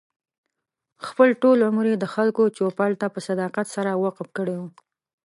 خپل ټول عمر یې د خلکو چوپـړ ته په صداقت سره وقف کړی و.